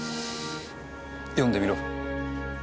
読んでみろ。